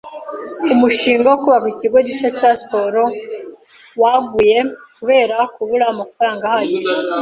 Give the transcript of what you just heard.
Umushinga wo kubaka ikigo gishya cya siporo waguye kubera kubura amafaranga ahagije.